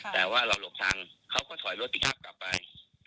แต่ว่าเราหลบทางเขาก็ถอยรถพลิกอัพกลับไป